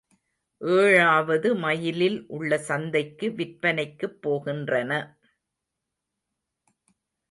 ஏழாவது மைலில் உள்ள சந்தைக்கு விற்பனைக்குப் போகின்றன.